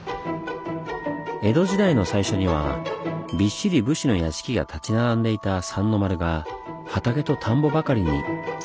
江戸時代の最初にはびっしり武士の屋敷が立ち並んでいた三ノ丸が畑と田んぼばかりに。